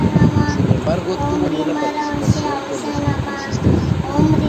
Sin embargo tuvo nula participación con los "electricistas".